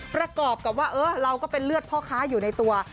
ประกอบกับว่าเราก็เป็นเลือดพ่อค้าอยู่ในตัว